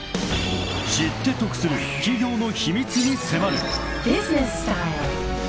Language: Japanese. ［知って得する企業の秘密に迫る］